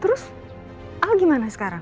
terus al gimana sekarang